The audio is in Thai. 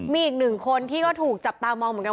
มีอีกหนึ่งคนที่ก็ถูกจับตามองเหมือนกัน